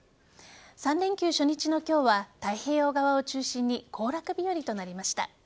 ３連休初日の今日は太平洋側を中心に行楽日和となりました。